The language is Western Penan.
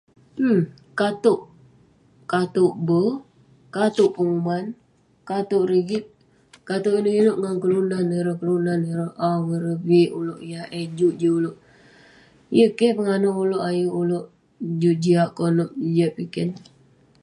[um]katewk.. katewk be',katewk penguman, katewk rigit..katewk inouk inouk ngan kelunan ireh, kelunan ireh, a'ung ireh, vik ulouk.. yah eh juk jin ulouk..yeng keh penganewk ulouk ayuk ulouk juk jiak konep, juk jiak piken..